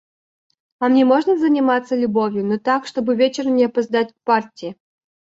А мне можно заниматься любовью, но так, чтобы вечером не опоздать к партии.